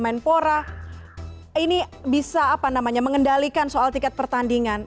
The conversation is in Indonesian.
bagaimana kita bisa mengendalikan soal tiket pertandingan